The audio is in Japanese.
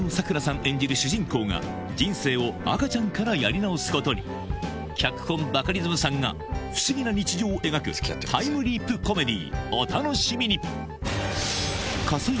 演じる主人公が人生を赤ちゃんからやり直すことに脚本バカリズムさんが不思議な日常を描くタイムリープコメディー！